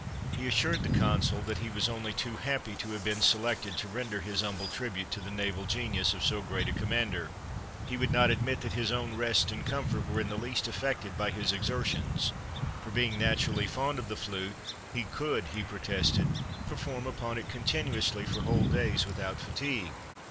He assured the Consul that he was only too happy to have been selected to render his humble tribute to the naval genius of so great a commander; he would not admit that his own rest and comfort were in the least affected by his exertions, for, being naturally fond of the flute, he could, he protested, perform upon it continuously for whole days without fatigue.